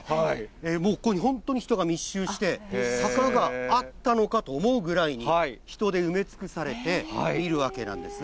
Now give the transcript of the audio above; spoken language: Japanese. もうここに本当に人が密集して、坂があったのかと思うぐらいに人で埋め尽くされているわけなんですね。